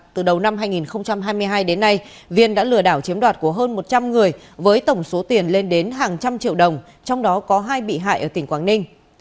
từ đầu năm hai nghìn hai mươi hai đến nay viên đã lừa đảo chiếm đoạt của hơn một trăm linh người với tổng số tiền lên đến hàng trăm triệu đồng trong đó có hai bị hại ở tỉnh quảng ninh